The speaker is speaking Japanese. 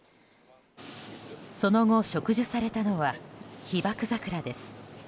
その後、植樹されたのは被爆桜です。